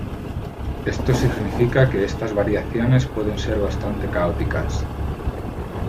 Esto significa que estas variaciones pueden ser bastante caóticas.